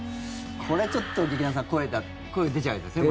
これはちょっと劇団さん、声出ちゃうよね。